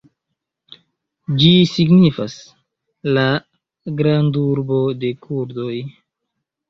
Ĝi signifas: la "grandurbo de kurdoj".